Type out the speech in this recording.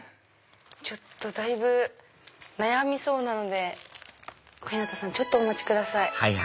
ちょっとだいぶ悩みそうなので小日向さんお待ちください。